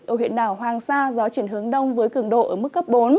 ở huyện đảo hoàng sa gió chuyển hướng đông với cường độ ở mức cấp bốn